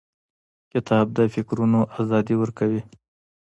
کتاب د فکرونو ازادي ورکوي.